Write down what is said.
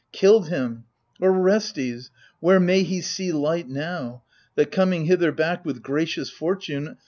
Killed him ! Orestes, where may he see light now? That coming hither back, with gracious fortune.